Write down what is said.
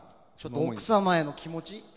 奥様への気持ち？